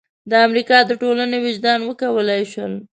د امریکا د ټولنې وجدان وکولای شول.